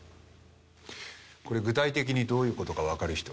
これ具体的にどういう事かわかる人？